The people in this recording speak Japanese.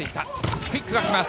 クイックが来ます。